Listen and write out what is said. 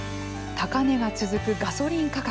高値が続くガソリン価格。